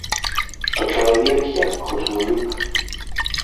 Што чалавек я, хоць мужык.